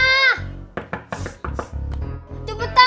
cepetan mah bukain pintunya